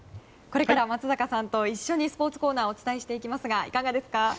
これから松坂さんと一緒にスポーツコーナーをお伝えしていきますがいかがですか？